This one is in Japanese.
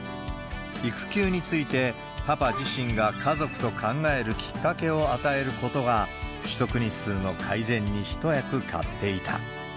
育休について、パパ自身が家族と考えるきっかけを与えることが、取得日数の改善に一役買っていた。